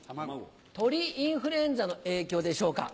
鳥インフルエンザの影響でしょうか。